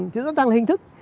thế đó đang là hình thức